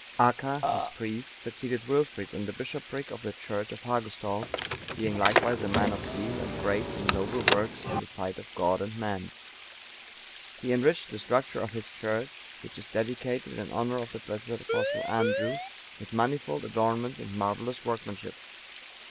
Acca,(942) his priest, succeeded Wilfrid in the bishopric of the church of Hagustald, being likewise a man of zeal and great in noble works in the sight of God and man. He enriched the structure of his church, which is dedicated in honour of the blessed Apostle Andrew with manifold adornments and marvellous workmanship.